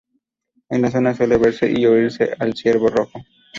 En la zona suele verse y oírse al ciervo rojo.